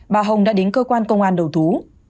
bà hồng đã đến cơ quan công an đầu thú